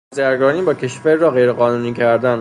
بازرگانی با کشوری را غیرقانونی کردن